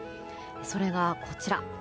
それがこちら。